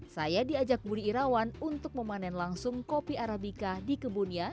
saya diajak budi irawan untuk memanen langsung kopi arabica di kebunnya